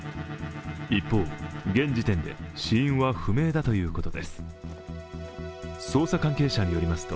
一方、現時点で死因は不明だということです。